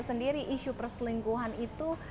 sendiri isu perselingkuhan itu